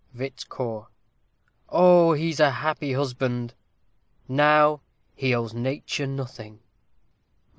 Vit. Cor. Oh, he's a happy husband! Now he owes nature nothing.